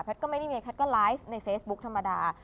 ก็ไม่ได้มีแพทย์ก็ไลฟ์ในเฟซบุ๊กธรรมดา